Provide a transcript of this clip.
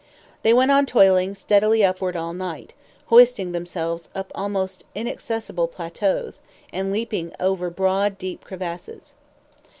They went on toiling steadily upward all night, hoisting themselves up to almost inaccessible plateaux, and leaping over broad, deep crevasses.